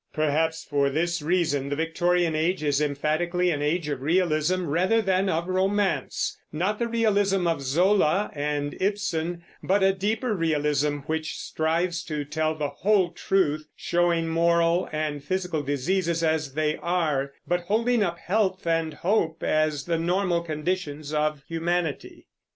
Perhaps for this reason the Victorian Age is emphatically an age of realism rather than of romance, not the realism of Zola and Ibsen, but a deeper realism which strives to tell the whole truth, showing moral and physical diseases as they are, but holding up health and hope as the normal conditions of humanity.